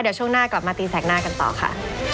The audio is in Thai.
เดี๋ยวช่วงหน้ากลับมาตีแสกหน้ากันต่อค่ะ